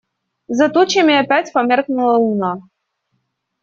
За тучами опять померкнула луна.